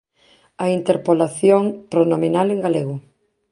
A interpolación pronominal en galego".